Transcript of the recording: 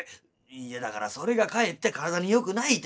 「いやだからそれがかえって体によくないてんだ。